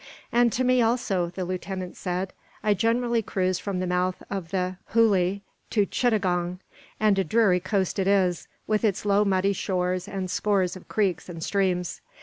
"And to me also," the lieutenant said. "I generally cruise from the mouth of the Hooghly to Chittagong; and a dreary coast it is, with its low muddy shores and scores of creeks and streams.